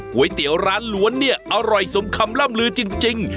ก๋วยเตี๋ยวร้านล้วนเนี่ยอร่อยสมคำล่ำลือจริง